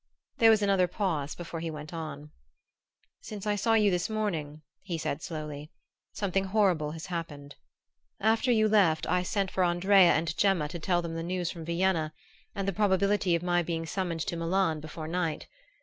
There was another pause before he went on. "Since I saw you this morning," he said slowly, "something horrible has happened. After you left I sent for Andrea and Gemma to tell them the news from Vienna and the probability of my being summoned to Milan before night.